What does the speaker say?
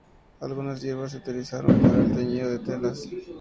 Algunas hierbas se utilizaron para el teñido de telas.